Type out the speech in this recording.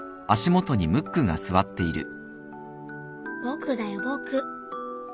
僕だよ僕。